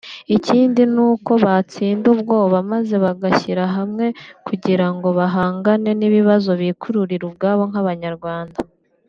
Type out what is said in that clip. Ikindi n’uko batsinda ubwoba maze bagashyira hamwe kugirango bahangane n’ibibazo bikururira ubwabo nk’abanyarwanda